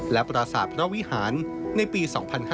และปราศาสตร์พระวิหารในปี๒๕๕๙